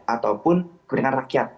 ataupun kebenaran rakyat